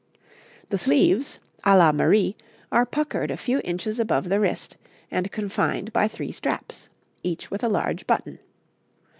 The sleeves, à la Marie, are puckered a few inches above the wrist, and confined by three straps; each with a large button.